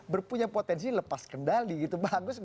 berpunya potensi lepas kendali gitu pak agus